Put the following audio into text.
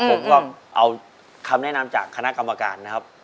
ผมก็เอาคำแนะนำจากคณะกรรมการนะครับ